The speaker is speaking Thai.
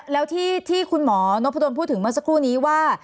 แล้วที่คุณหมอนพดลพูดถึงเมื่อสักครู่นี้ว่า